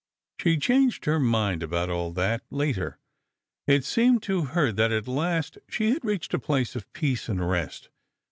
She changed her mind about all that, later. It seemed to her that at last she had reached a place of peace and rest.